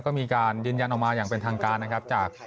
ก็มีการยืนยันออกมาอย่างเป็นทางการนะครับจาก